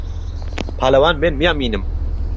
پالەوان بێنبیان بینم